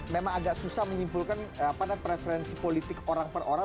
memang agak susah menyimpulkan preferensi politik orang per orang